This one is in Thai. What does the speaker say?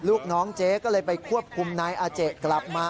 ลูกน้องเจ๊ก็เลยไปควบคุมนายอาเจกลับมา